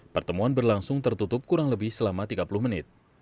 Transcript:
pertemuan berlangsung tertutup kurang lebih selama tiga puluh menit